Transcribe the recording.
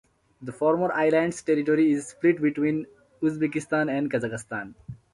The former island's territory is split between Uzbekistan and Kazakhstan.